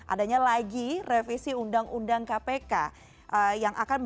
adanya lagi revisi undang undang kpk